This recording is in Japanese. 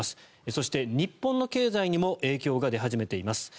そして日本の経済にも影響が出始めています。